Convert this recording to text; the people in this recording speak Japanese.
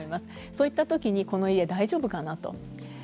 そういったときにこの家は大丈夫かなと。